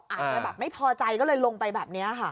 อาจจะแบบไม่พอใจก็เลยลงไปแบบนี้ค่ะ